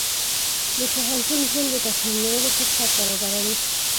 د پوهنتون ژوند د تصمیم نیولو فرصت برابروي.